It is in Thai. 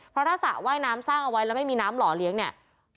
เพราะถ้าสระว่ายน้ำสร้างเอาไว้แล้วไม่มีน้ำหล่อเลี้ยงเนี่ย